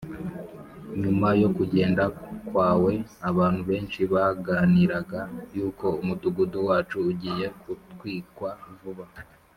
nyuma yo kugenda kwawe, abantu benshi baganiraga yuko umudugudu wacu ugiye gutwikwa vuba